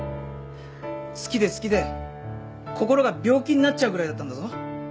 好きで好きで心が病気になっちゃうぐらいだったんだぞ。